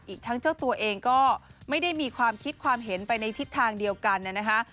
อีกทั้งเจ้าตัวเองก็ไม่ได้มีความคิดความเห็นไปในทิศทางเดียวกันนะคะ